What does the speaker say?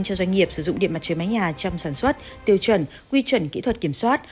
cho doanh nghiệp sử dụng điện mặt trời mái nhà trong sản xuất tiêu chuẩn quy chuẩn kỹ thuật kiểm soát